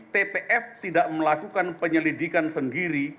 tpf tidak melakukan penyelidikan sendiri